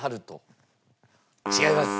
違います。